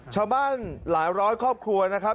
ชาวบ้านหลายร้อยครอบครัวนะครับ